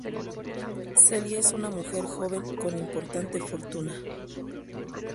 Celia es una mujer joven con importante fortuna.